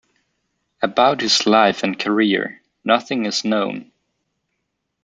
About his life and career, nothing is known.